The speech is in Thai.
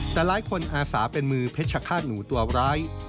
แต่หลายคนอาสาเป็นมือเพชรฆาตหนูตัวร้าย